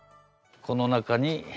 この中に。